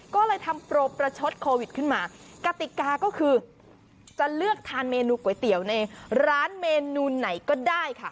ก็เลยทำโปรประชดโควิดขึ้นมากติกาก็คือจะเลือกทานเมนูก๋วยเตี๋ยวในร้านเมนูไหนก็ได้ค่ะ